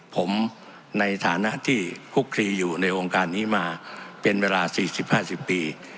ผมในฐานะที่คุกคลีอยู่ในวงการนี้มาเป็นเวลา๔๐๕๐ปี